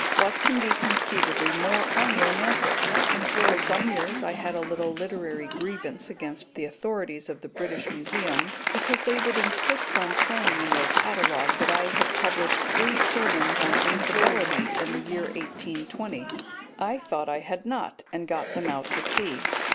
What can be conceivably more unromantic? For some years I had a little literary grievance against the authorities of the British Museum because they would insist on saying in their catalogue that I had published three sermons on Infidelity in the year 1820. I thought I had not, and got them out to see.